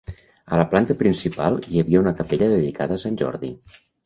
A la planta principal hi havia una capella dedicada a Sant Jordi.